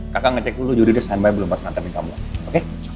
kakak ngecek dulu yudi udah standby belum empat menit lebih kamu oke